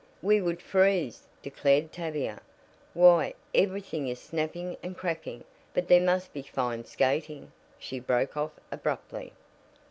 "We would freeze," declared Tavia. "Why, everything is snapping and cracking but there must be fine skating," she broke off abruptly.